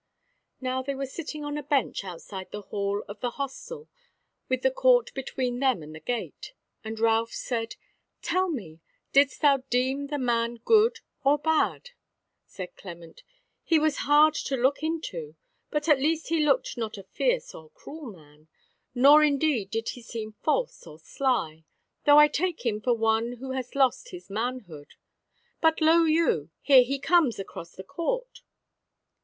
Now they were sitting on a bench outside the hall of the hostel, with the court between them and the gate; and Ralph said: "Tell me, didst thou deem the man good or bad?" Said Clement: "He was hard to look into: but at least he looked not a fierce or cruel man; nor indeed did he seem false or sly, though I take him for one who hath lost his manhood but lo you! here he comes across the court."